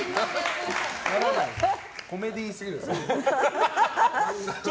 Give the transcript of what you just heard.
コメディーすぎるでしょ。